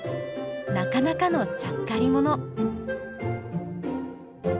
なかなかのちゃっかり者！